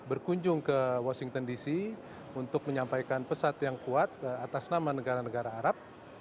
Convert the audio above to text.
berkunjung ke washington dc untuk menyampaikan pesan yang kuat atas nama negara negara arab